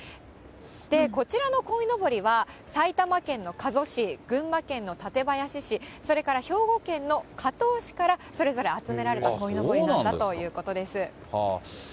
こちらのこいのぼりは、埼玉県の加須市、群馬県の館林市、それから兵庫県の加東市からそれぞれ集められたこいのぼりなんだということです。